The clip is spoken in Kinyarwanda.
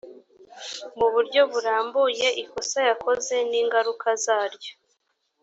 mu buryo burambuye ikosa yakoze n ingaruka zaryo